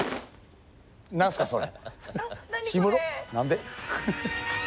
何すかそれ？